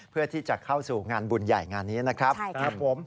เพื่อที่จะเข้าสู่งานบุญใหญ่งานนี้นะครับผม